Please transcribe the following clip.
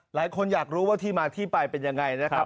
หลายคนอยากรู้ว่าที่มาที่ไปเป็นยังไงนะครับ